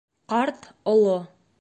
Ҡарт, оло